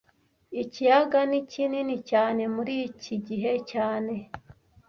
Ikiyaga ni kinini cyane muri iki gihe cyane